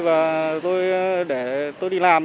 và để tôi đi làm